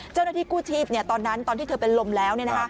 เจ้าหน้าที่กู้ชีพตอนนั้นตอนที่เธอเป็นลมแล้ว